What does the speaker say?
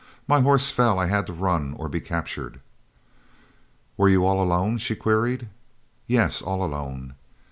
"My horse fell, and I had to run, or be captured." "Were you all alone?" she queried. "Yes, all alone."